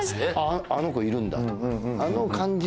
「あの子いるんだ」とか。